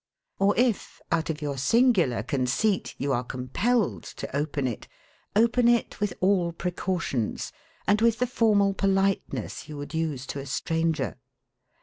Or if, out of your singular conceit, you are compelled to open it, open it with all precautions, and with the formal politeness you would use to a stranger.